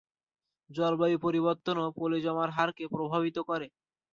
জলবায়ু পরিবর্তনও পলি জমার হারকে প্রভাবিত করে।